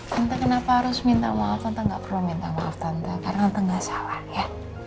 tante kenapa harus minta maaf tante gak perlu minta maaf tante karena tante gak salah ya